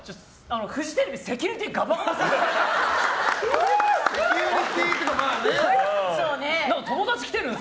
フジテレビ、セキュリティーガバガバすぎません？